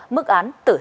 mức án tử hình